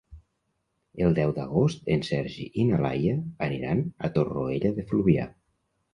El deu d'agost en Sergi i na Laia aniran a Torroella de Fluvià.